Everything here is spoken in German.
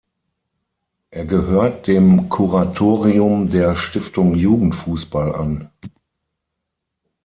Er gehört dem Kuratorium der Stiftung Jugendfußball an.